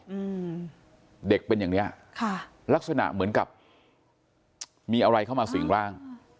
อืมเด็กเป็นอย่างเนี้ยค่ะลักษณะเหมือนกับมีอะไรเข้ามาสิ่งร่าง